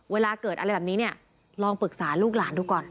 เวลาเกิดอะไรแบบนี้เนี่ยลองปรึกษาลูกหลานดูก่อน